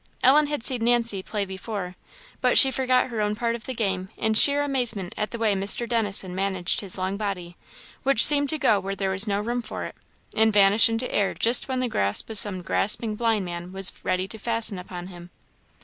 Ellen had seen Nancy play before; but she forgot her own part of the game in sheer amazement at the way Mr. Dennison managed his long body, which seemed to go where there was no room for it, and vanish into air just when the grasp of some grasping "blind man" was ready to fasten upon him.